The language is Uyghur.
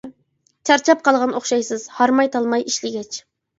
چارچاپ قالغان ئوخشايسىز، ھارماي تالماي ئىشلىگەچ.